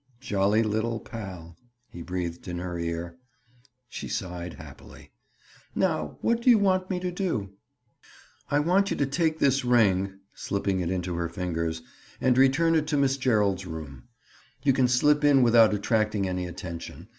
"Jolly little pal!" he breathed in her ear. She sighed happily. "Now what do you want me to do?" "I want you to take this ring"—slipping it into her fingers—"and return it to Miss Gerald's room. You can slip in without attracting any attention.